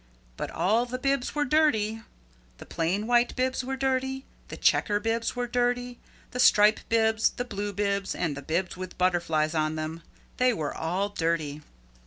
But all the bibs were dirty. The plain white bibs were dirty, the checker bibs were dirty, the stripe bibs, the blue bibs and the bibs with butterflies on them, they were all dirty.